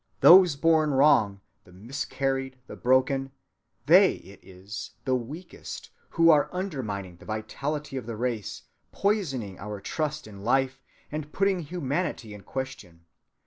Those born wrong, the miscarried, the broken—they it is, the weakest, who are undermining the vitality of the race, poisoning our trust in life, and putting humanity in question.